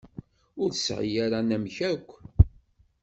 Ur tesɛi ara anamek akk.